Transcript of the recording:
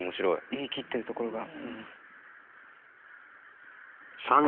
言い切ってるところが。